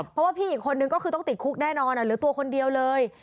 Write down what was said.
เพราะว่าพี่อีกคนนึงก็คือต้องติดคุกแน่นอนเหลือตัวคนเดียวเลย